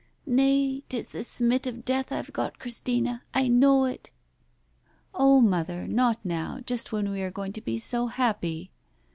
"Nay, 'tis the smit of death I've got, Christina! I know it." "Oh, mother, not now, just when we are going to be so happy."